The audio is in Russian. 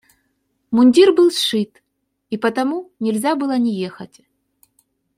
Мундир был сшит, и потому нельзя было не ехать.